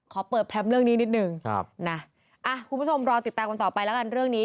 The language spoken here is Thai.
ขอเปิดแพลมเรื่องนี้นิดนึงครับนะคุณผู้ชมรอติดตามกันต่อไปแล้วกันเรื่องนี้